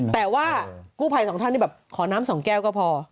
แต่ว่ากู้ภัยสองท่านที่แบบขอน้ำสองแก้วก็พอ